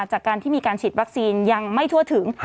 จากการที่มีการฉีดวัคซีนยังไม่ทั่วถึง